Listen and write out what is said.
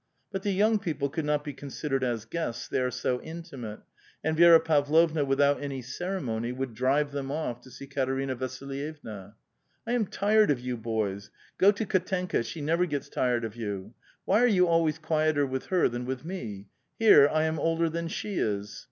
But the young people could not be considered as guests, they are so intimate, and Vi6ra Pav lovua, without any ceremony, would drive them off to see Katerina Vasilyevna. ''I am tired of 3'ou boysi Go to Kdtenka; she never gets tired of you. Why are 30U always quieter with her than with me ? here I am older than she is."